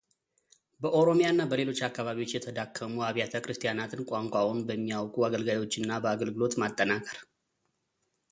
በኦሮሚያ እና በሌሎች አካባቢዎች የተዳከሙ አብያተ ክርስቲያናትን ቋንቋውን በሚያውቁ አገልጋዮች እና በአገልግሎት ማጠናከር